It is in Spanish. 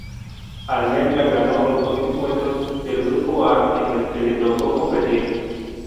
Almendra ganó los dos encuentros del Grupo A en el que le tocó competir.